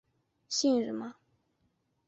姓什么？